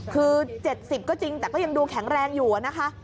คือ๗๐ก็จริงแต่ก็ยังดูแข็งแรงอยู่นะคะ